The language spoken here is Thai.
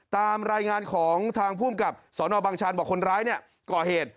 ตามรายงานของทางผู้มกับสอนอบังชันบอกคนร้ายก่อเหตุ